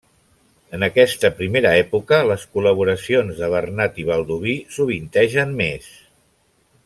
En aquesta primera època, les col·laboracions de Bernat i Baldoví sovintegen més.